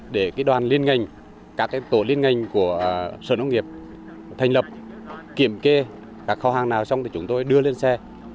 để đoàn liên ngành các tổ liên ngành của sở nông nghiệp thành lập kiểm kê các kho hàng nào xong thì chúng tôi đưa lên xe